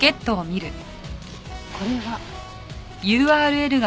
これは。